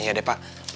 iya deh pak